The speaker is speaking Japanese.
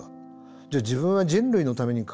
じゃあ自分は人類のために書いてる。